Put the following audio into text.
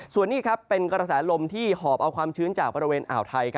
ส่วนนี้เป็นกระแสลมที่หอบเอาความชื้นจากบริเวณอ่าวไทย